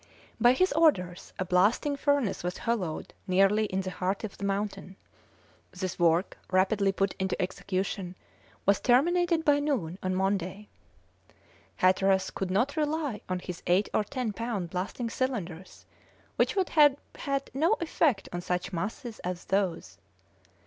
By his orders a blasting furnace was hollowed nearly in the heart of the mountain. This work, rapidly put into execution, was terminated by noon on Monday. Hatteras could not rely on his eight or ten pound blasting cylinders, which would have had no effect on such masses as those.